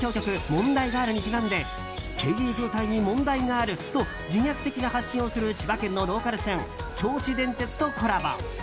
「もんだいガール」にちなんで経営状態に問題があると自虐的な発信をする千葉県のローカル線銚子電鉄とコラボ。